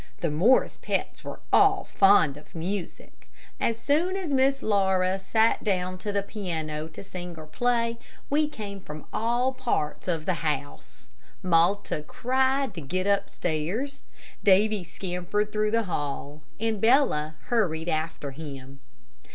The Morris pets were all fond of music. As soon as Miss Laura sat down to the piano to sing or play, we came from all parts of the house. Malta cried to get upstairs, Davy scampered through the hall, and Bella hurried after him.